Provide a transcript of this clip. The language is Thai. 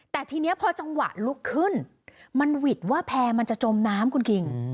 แต่ทีนี้พอจังหวะลุกขึ้นมันหวิดว่าแพร่มันจะจมน้ำคุณคิง